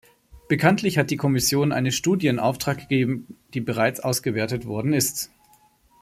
Bekanntlich hat die Kommission eine Studie in Auftrag gegeben, die bereits ausgewertet worden ist.